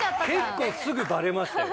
結構すぐバレましたよね。